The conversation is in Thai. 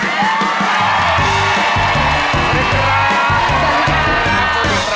สวัสดีครับ